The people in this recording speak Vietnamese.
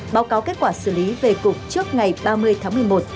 báo cáo kết quả xử lý về cục trước ngày ba mươi tháng một mươi một